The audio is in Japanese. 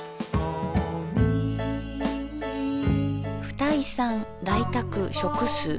「二井さん来宅食す」。